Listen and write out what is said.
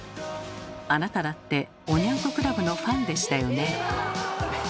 あなただっておニャン子クラブのファンでしたよね？